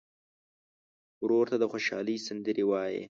ورور ته د خوشحالۍ سندرې وایې.